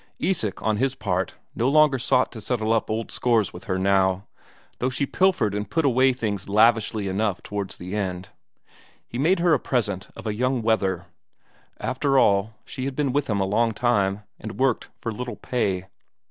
Isak, on his part, no longer sought to settle up old scores with her now, though she pilfered and put away things lavishly enough towards the end. He made her a present of a young wether; after all, she had been with him a long time, and worked for little pay.